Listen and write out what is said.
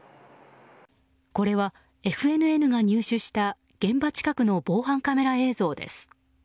これはＦＮＮが入手した現場近くの防犯カメラ映像です。